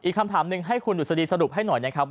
คำถามหนึ่งให้คุณดุษฎีสรุปให้หน่อยนะครับ